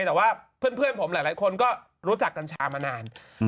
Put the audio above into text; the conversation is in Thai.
แต่ว่าเพื่อนผมหลายคนก็รู้จักกัญชามานาน